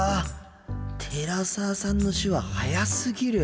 寺澤さんの手話速すぎる。